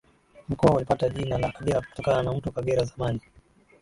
Mkoa ulipata jina la Kagera kutokana na Mto Kagera zamani